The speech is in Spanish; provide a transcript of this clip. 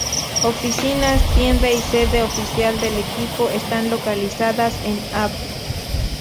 Oficinas, tienda, y sede oficial del equipo están localizadas en Av.